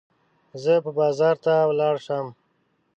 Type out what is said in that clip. زه به بازار ته ولاړه شم.